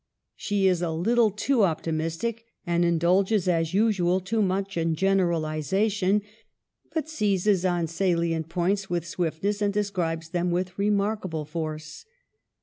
She is a little too optimistic, and indulges, as usual, too much in generaliza tion, but seizes on salient points with swiftness, and describes them with remarkable force.